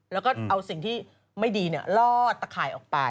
แล้วก็เอาสิ่งที่ไม่ดีลอดตะข่ายออกไป